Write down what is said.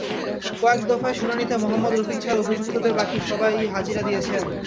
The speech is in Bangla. কয়েক দফায় শুনানিতে মোহাম্মদ রফিক ছাড়া অভিযুক্তদের বাকি সবাই হাজিরা দিয়েছেন।